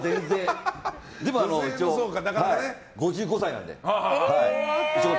でも一応、５５歳なので。